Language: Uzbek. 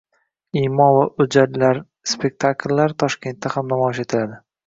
Imon va O‘jarlar spektakllari Toshkentda ham namoyish etiladi